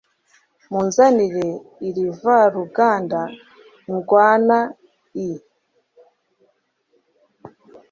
munzaniye irivaruganda Ndwana i